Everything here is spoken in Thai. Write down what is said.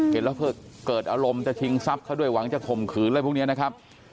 เห็นแล้วเกิดอารมณ์จะชิงทรัพย์เขาด้วยหวังจะข่มขืนอะไรพวกนี้นะครับ